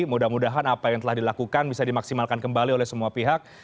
mudah mudahan apa yang telah dilakukan bisa dimaksimalkan kembali oleh semua pihak